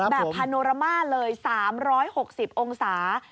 พาโนรามาเลย๓๖๐องศา